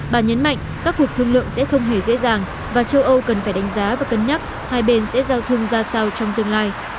bà nhấn mạnh các cuộc thương lượng sẽ không hề dễ dàng và châu âu cần phải đánh giá và cân nhắc hai bên sẽ giao thương ra sao trong tương lai